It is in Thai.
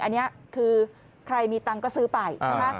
อันนี้คือใครมีตังค์ก็ซื้อไปนะคะ